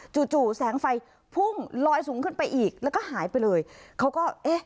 จู่แสงไฟพุ่งลอยสูงขึ้นไปอีกแล้วก็หายไปเลยเขาก็เอ๊ะ